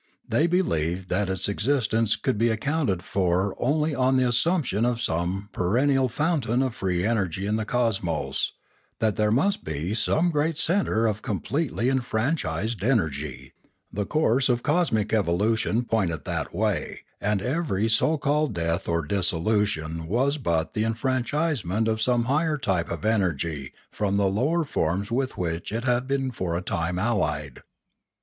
They believed that its ex istence could be accounted for only on the assumption of some perennial fountain of free energy in the cosmos; that there must be some great centre of completely enfranchised energy; the course of cosmic evolution pointed that way, and every so called death or dissolu tion was but the enfranchisement of some higher type of energy from the lower forms with which it had been for a time allied.